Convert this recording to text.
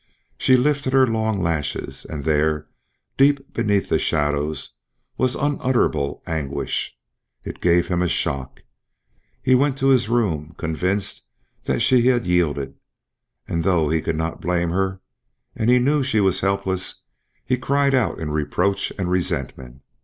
She lifted her long lashes, and there, deep beneath the shadows, was unutterable anguish. It gave him a shock. He went to his room, convinced that she had yielded; and though he could not blame her, and he knew she was helpless, he cried out in reproach and resentment.